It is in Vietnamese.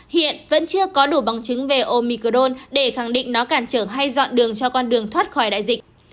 hiện vẫn chưa có đủ bằng chứng về omicrone để khẳng định nó cản trở hay dọn đường cho con đường thoát khỏi đại dịch